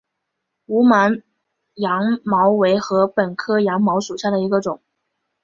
无芒羊茅为禾本科羊茅属下的一个种。